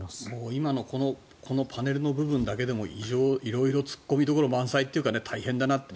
今のこのパネルの部分だけでも色々突っ込みどころ満載というか大変だなと。